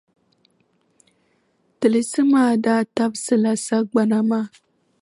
Tiligi maa daa tabisila sagbana maa.